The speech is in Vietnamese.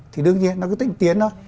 thì đương nhiên nó cứ tinh tiến thôi